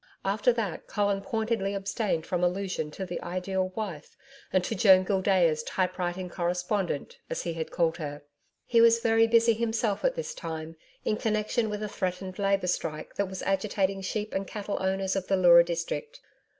After that Colin pointedly abstained from allusion to the Ideal Wife and to Joan Gildea's Typewriting Correspondent, as he had called her. He was very busy himself at this time in connection with a threatened labour strike that was agitating sheep and cattle owners of the Leura District.